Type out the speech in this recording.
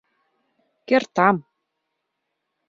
— Кертам.